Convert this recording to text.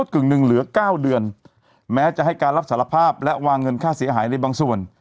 เกินค่าเสียหายในบางส่วน